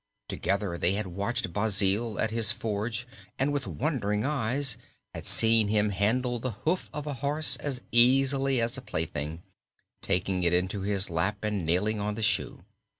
Together they had watched Basil at his forge and with wondering eyes had seen him handle the hoof of a horse as easily as a plaything, taking it into his lap and nailing on the shoe.